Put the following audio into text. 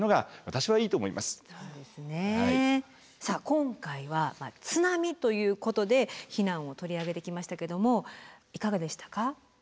さあ今回は津波ということで避難を取り上げてきましたけどもいかがでしたか？